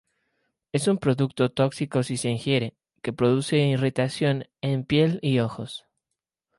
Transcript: Es un producto tóxico si se ingiere que produce irritación en piel y ojos.